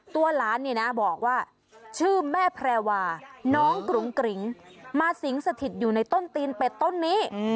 หลานเนี่ยนะบอกว่าชื่อแม่แพรวาน้องกรุงกริงมาสิงสถิตอยู่ในต้นตีนเป็ดต้นนี้